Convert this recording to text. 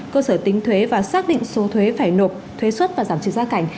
cơ sở tính thuế và xác định số thuế phải nộp thuế xuất và giảm trừ gia cảnh